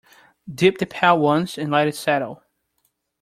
Dip the pail once and let it settle.